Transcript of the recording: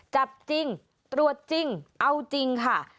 จับจริงตรวจจริงเอาจริงค่ะ